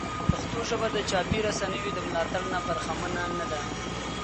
پښتو ژبه د چاپي رسنیو د ملاتړ نه برخمنه نه ده.